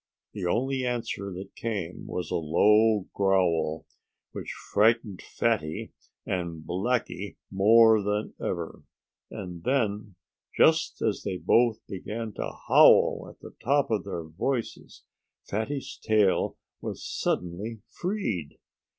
The only answer that came was a low growl, which frightened Fatty and Blackie more than ever. And then, just as they both began to howl at the top of their voices Fatty's tail was suddenly freed.